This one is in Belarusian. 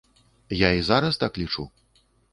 Я і зараз так лічу.